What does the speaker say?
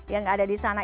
yang ada di sana